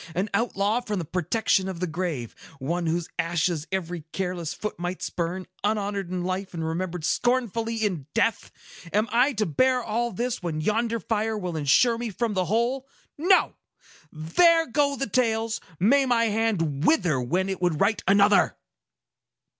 An outlaw from the protection of the grave,—one whose ashes every careless foot might spurn, unhonored in life, and remembered scornfully in death! Am I to bear all this, when yonder fire will insure me from the whole? No! There go the tales! May my hand wither when it would write another!"